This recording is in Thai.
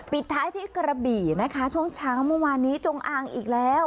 ปิดท้ายที่กระบี่นะคะช่วงเช้าเมื่อวานนี้จงอางอีกแล้ว